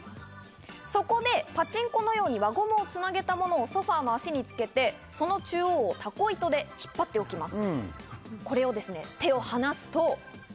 そこで、パチンコのように輪ゴムを繋げたものソファの足につけてその中央をタコ糸で引っ張っておきます。